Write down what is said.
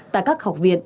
tại các học viện